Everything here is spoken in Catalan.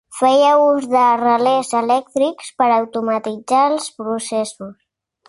Feia ús de relés elèctrics per automatitzar els processos.